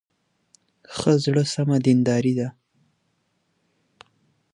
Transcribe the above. شاعر د تخیل له لارې متن جوړوي.